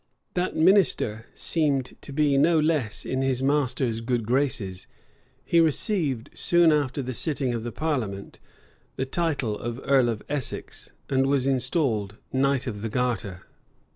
That minister seemed to be no less in his master's good graces: he received, soon after the sitting of the parliament, the title of earl of Essex, and was installed knight of the garter.